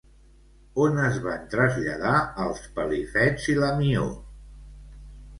On es van traslladar els Pelifets i la Mió?